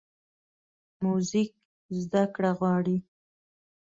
موزیک زدهکړه غواړي.